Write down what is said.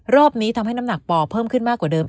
รอบนี้ทำให้น้ำหนักปอเพิ่มขึ้นมากกว่าเดิม